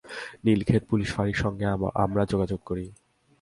Nilkhet police ফাঁড়ির সঙ্গে আমরা যোগাযোগ করি।